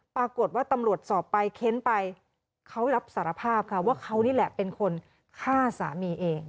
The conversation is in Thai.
ปรากฏว่าตำรวจสอบไปเค้นไปเขารับสารภาพค่ะว่าเขานี่แหละเป็นคนฆ่าสามีเอง